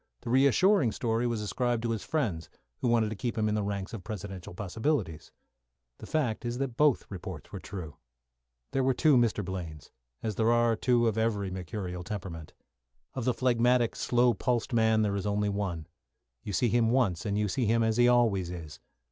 The reassuring story was ascribed to his friends, who wanted to keep him in the ranks of Presidential possibilities. The fact is that both reports were true. There were two Mr. Blaines, as there are two of every mercurial temperament. Of the phlegmatic, slow pulsed man there is only one. You see him once and you see him as he always is.